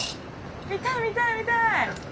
見たい見たい見たい。